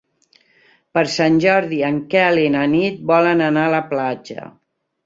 Per Sant Jordi en Quel i na Nit volen anar a la platja.